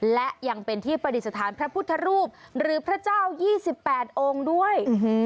และยังเป็นที่ปฏิสถานพระพุทธรูปหรือพระเจ้า๒๘องค์ด้วย